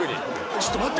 ちょっと待って。